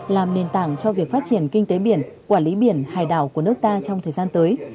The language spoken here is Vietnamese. làm nền tảng cho việc phát triển kinh tế biển quản lý biển hải đảo của nước ta trong thời gian tới